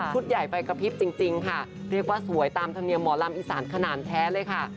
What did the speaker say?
ใหญ่ไปกระพริบจริงค่ะเรียกว่าสวยตามธรรมเนียมหมอลำอีสานขนาดแท้เลยค่ะ